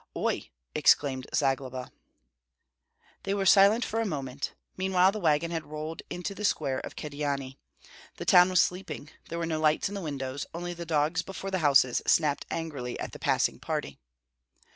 "Oi!" exclaimed Zagloba. They were silent for a moment; meanwhile the wagon had rolled into the square of Kyedani. The town was sleeping, there were no lights in the windows, only the dogs before the houses snapped angrily at the passing party.